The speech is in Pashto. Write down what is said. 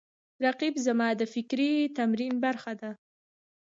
رقیب زما د فکري تمرین برخه ده